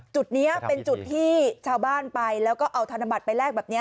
จุดนี้เป็นจุดที่ชาวบ้านไปแล้วก็เอาธนบัตรไปแลกแบบนี้